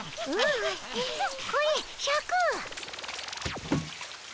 これシャク。